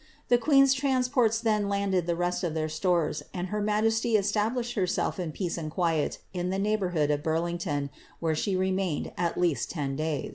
The queen's ransports then landed the rest of their stores, and her majesty established lerself in peace and quiet in the neighbourhood of Burlington, where ^he remained at least ten days.'